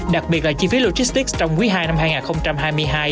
đặc biệt là chi phí logistics trong quý ii năm hai nghìn hai mươi hai